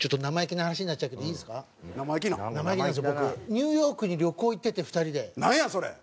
ニューヨークに旅行行ってて２人で。